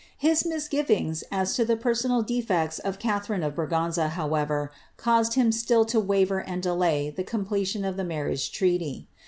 His misgivings, as to the personal defects of Catharine of Braganza, however, caused him still to waver and delay the completion of the marriage treaty.